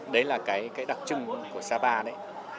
đấy là cái đặc trưng của sapa đấy